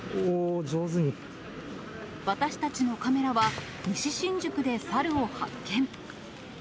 私たちのカメラは、西新宿で猿を発見。